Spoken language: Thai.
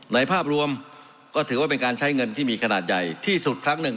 ภาพรวมก็ถือว่าเป็นการใช้เงินที่มีขนาดใหญ่ที่สุดครั้งหนึ่ง